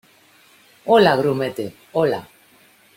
hola, grumete. hola .